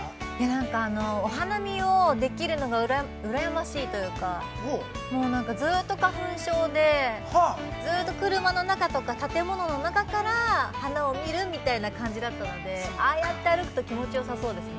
◆なんか、お花見をできるのがうらやましいというか、ずうっと花粉症で、ずっと車の中とか、建物の中から花を見るみたいな感じだったので、ああやって歩くと気持ちよさそうですね。